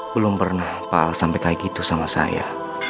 belum pernah pak sampai kayak gitu sama saya